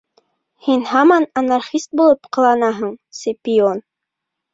Һин һаман анархист булып ҡыланаһың, Сципион.